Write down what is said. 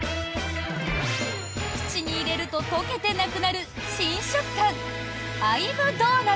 口に入れると溶けてなくなる新食感。